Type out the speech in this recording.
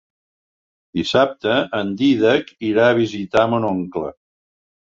Dissabte en Dídac irà a visitar mon oncle.